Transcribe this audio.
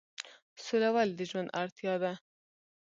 سوله ولې د ژوند اړتیا ده؟